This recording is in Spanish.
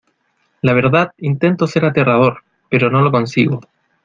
La verdad, intento ser aterrador , pero no lo consigo.